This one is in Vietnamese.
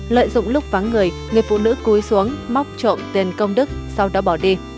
lợi dụng lúc vắng người người phụ nữ cúi xuống móc trộm tiền công đức sau đó bỏ đi